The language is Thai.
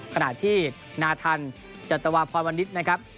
ขณะที่นาทันจัตวพรวันนี้นะครับ